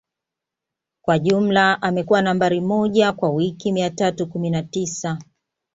Kwa jumla amekuwa Nambari moja kwa wiki mia tatu kumi na tisa